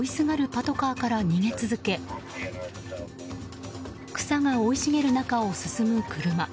パトカーから逃げ続け草が生い茂る中を進む車。